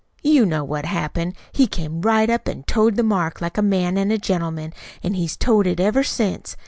"You know what happened. He came right up an' toed the mark like a man an' a gentleman. An' he's toed it ever since.